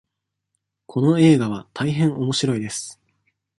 この映画は大変おもしろいです。